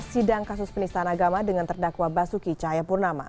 sidang kasus penistaan agama dengan terdakwa basuki cahaya purnama